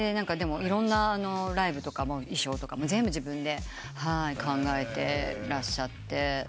いろんなライブとか衣装とかも全部自分で考えてらっしゃって。